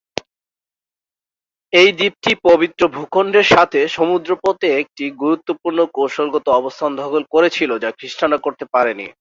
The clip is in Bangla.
এই দ্বীপটি পবিত্র ভূখণ্ডের সাথে সমুদ্র পথে একটি গুরুত্বপূর্ণ কৌশলগত অবস্থান দখল করেছিল যা খ্রিস্টানরা করতে পারেনি।